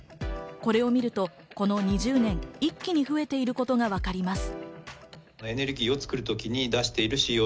これを見ると、この２０年一気に増えていることがわかります。